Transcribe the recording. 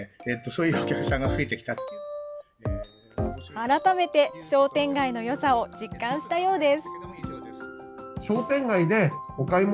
改めて、商店街のよさを実感したようです。